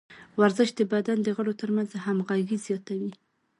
ورزش د بدن د غړو ترمنځ همغږي زیاتوي.